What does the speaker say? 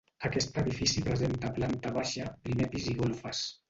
Aquest edifici presenta planta baixa, primer pis i golfes.